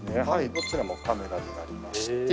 どちらもカメラになりまして。